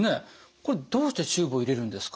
これどうしてチューブを入れるんですか？